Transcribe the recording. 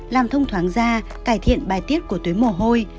làm thông thoáng da cải thiện bài tiết của túi mồ hôi